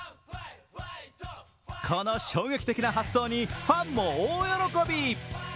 この衝撃的な発想にファンも大喜び。